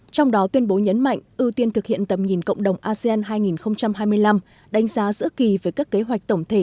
trong đó tuyên bố nhấn mạnh ưu tiên thực hiện tầm nhìn cộng đồng asean hai nghìn hai mươi năm đánh giá giữa kỳ với các kế hoạch tổng thể